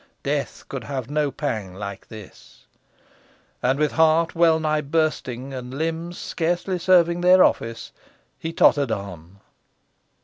Death could have no pang like this! And with heart wellnigh bursting, and limbs scarcely serving their office, he tottered on.